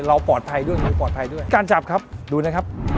เราปลอดภัยด้วยมือปลอดภัยด้วยการจับครับดูนะครับ